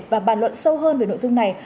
và bàn luận sâu hơn về nội dung này